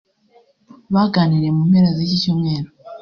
Baganiriye mu mpera z’iki cyumweru